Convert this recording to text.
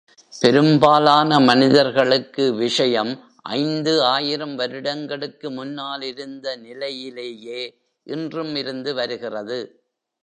பெரும்பாலான மனிதர்களுக்கு விஷயம் ஐந்து ஆயிரம் வருடங்களுக்கு முன்னால் இருந்த நிலையிலேயே இன்றும் இருந்து வருகிறது.